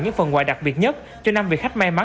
những phần quà đặc biệt nhất cho năm vị khách may mắn